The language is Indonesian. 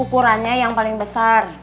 ukurannya yang paling besar